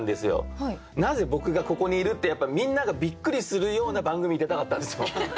なぜ僕がここにいるってやっぱりみんながびっくりするような番組に出たかったんですよ。